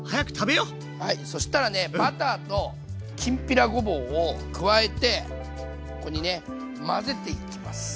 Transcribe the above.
はいそしたらねバターときんぴらごぼうを加えてここにね混ぜていきます。